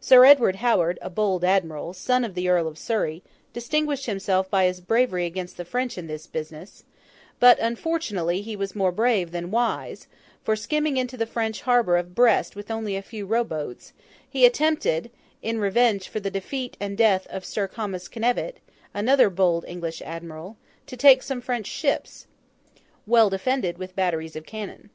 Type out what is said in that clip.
Sir Edward Howard, a bold admiral, son of the Earl of Surrey, distinguished himself by his bravery against the French in this business; but, unfortunately, he was more brave than wise, for, skimming into the French harbour of Brest with only a few row boats, he attempted (in revenge for the defeat and death of Sir Thomas Knyvett, another bold English admiral) to take some strong French ships, well defended with batteries of cannon.